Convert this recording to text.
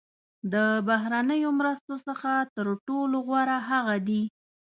د بهرنیو مرستو څخه تر ټولو غوره هغه دي.